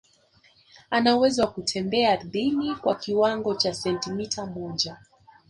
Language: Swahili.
anauwezo wa kutembea ardhini kwa kiwango cha sentimita moja